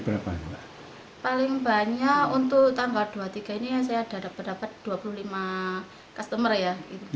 dapat dua puluh lima customer ya